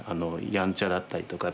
やんちゃだったりとか。